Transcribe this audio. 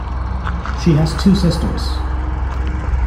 She has two sisters.